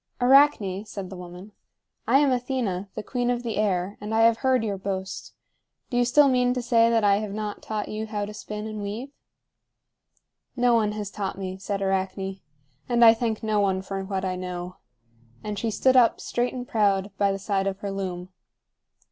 "Arachne," said the woman, "I am Athena, the queen of the air, and I have heard your boast. Do you still mean to say that I have not taught you how to spin and weave?" "No one has taught me," said Arachne; "and I thank no one for what I know;" and she stood up, straight and proud, by the side of her loom.